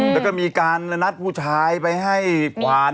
แล้วก็มีการนัดผู้ชายไปให้กวาด